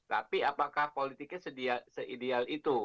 tapi apakah politiknya seideal itu